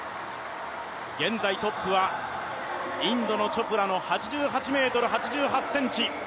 現在トップはインドのチョプラの８８ｍ８８ｃｍ。